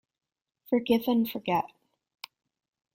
Forgive and forget.